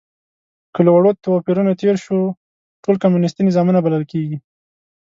که له وړو توپیرونو تېر شو، ټول کمونیستي نظامونه بلل کېږي.